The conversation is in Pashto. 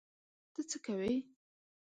ته څه کوې؟